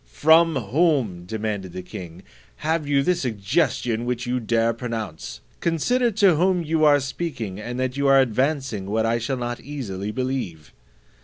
"From whom," demanded the king, "have you the suggestion which you dare pronounce? Consider to whom you are speaking, and that you are advancing what I shall not easily believe."